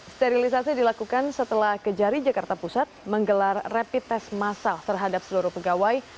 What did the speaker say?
sterilisasi dilakukan setelah kejari jakarta pusat menggelar rapid test masal terhadap seluruh pegawai